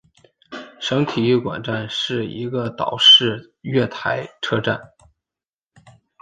省体育馆站是一个岛式月台车站。